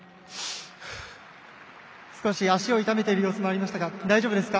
少し足を痛めている様子もありますが大丈夫ですか？